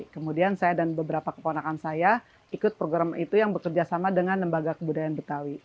kemudian saya dan beberapa keponakan saya ikut program itu yang bekerja sama dengan lembaga kebudayaan betawi